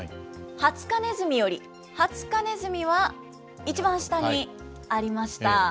ハツカネズミより、ハツカネズミは一番下にありました。